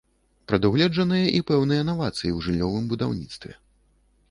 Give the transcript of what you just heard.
Прадугледжаныя і пэўныя навацыі ў жыллёвым будаўніцтве.